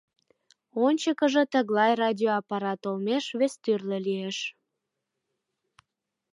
Ончыкыжо тыглай радиоаппарат олмеш вестӱрлӧ лиеш.